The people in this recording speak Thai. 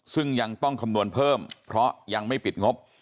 ซึ่งยังต้องคำนวณเพิ่มเพราะยังไม่ปิดงบ